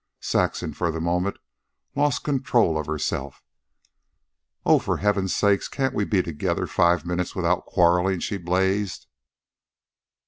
Saxon, for the moment, lost control of herself. "Oh, for heaven's sake, can't we be together five minutes without quarreling?" she blazed.